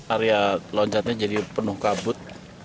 area loncatnya jadi penuh kabut